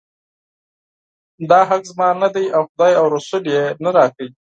دا حق زما نه دی او خدای او رسول یې نه راکوي.